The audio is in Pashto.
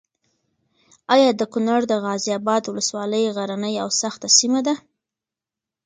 ایا د کونړ د غازي اباد ولسوالي غرنۍ او سخته سیمه ده؟